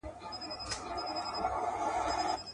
د نغري غاړو ته هواري دوې کمبلي زړې.